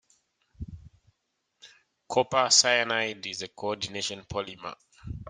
Copper cyanide is a coordination polymer.